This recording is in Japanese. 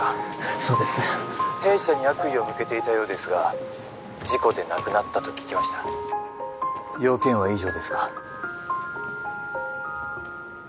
そうです☎弊社に悪意を☎向けていたようですが☎事故で亡くなったと聞きました用件は以上ですか？